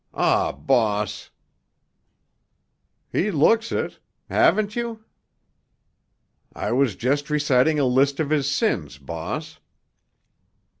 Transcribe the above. "Aw, boss——" "He looks it. Haven't you?" "I was just reciting a list of his sins, boss."